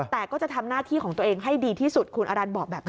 แต่ก็จะทำหน้าที่ของตัวเองให้ดีที่สุดคุณอรันทบอกแบบนี้